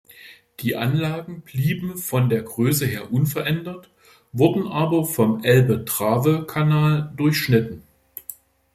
Die Anlagen blieben von der Größe her unverändert, wurden aber vom Elbe-Trave-Kanal durchschnitten.